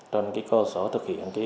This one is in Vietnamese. trên cơ sở thực hiện